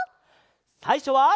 さいしょは。